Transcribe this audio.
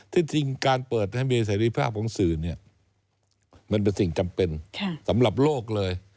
ที่จริงการเปิดให้มีเสรีภาพของสื่อเนี่ยมันเป็นสิ่งจำเป็นสำหรับโลกเลย